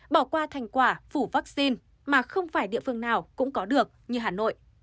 bỏ qua thành quả phủ vaccine mà không phải địa phương nào cũng có được như hà nội